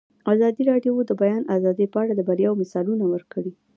ازادي راډیو د د بیان آزادي په اړه د بریاوو مثالونه ورکړي.